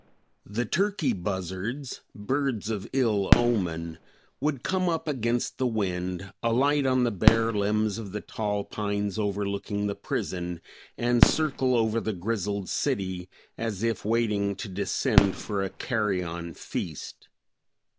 The turkey buzzards, birds of ill omen, would come up against the wind, alight on the bare limbs of the tall pines overlooking the prison, and circle over the grizzled city as if waiting to descend for a carrion feast.